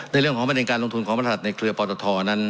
ในเรื่องของประเด็นการลงทุนของบริษัทในเครือปอตทนั้น